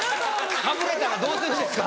かぶれたらどうするんですか。